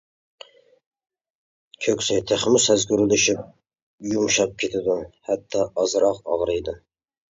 كۆكسى تېخىمۇ سەزگۈرلىشىپ، يۇمشاپ كېتىدۇ، ھەتتا ئازراق ئاغرىيدۇ.